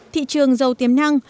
thị trường giàu tiềm năng